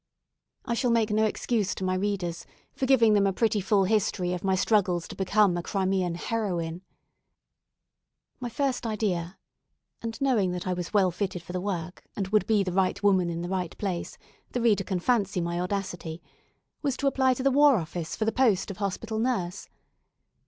I shall make no excuse to my readers for giving them a pretty full history of my struggles to become a Crimean heroine! My first idea (and knowing that I was well fitted for the work, and would be the right woman in the right place, the reader can fancy my audacity) was to apply to the War Office for the post of hospital nurse.